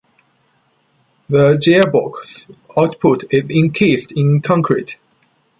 The gearbox output is encased in concrete.